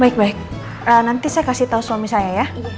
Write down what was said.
baik baik nanti saya kasih tahu suami saya ya